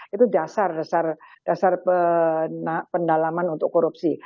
itu dasar pendalaman untuk korupsi